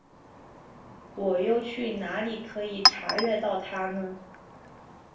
我又去哪里可以查阅到它呢？